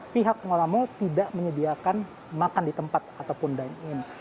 pihak pengelola mal tidak menyediakan makan di tempat ataupun dine in